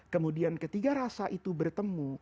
kemudian ketika rasa itu bertemu